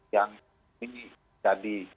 yang ini jadi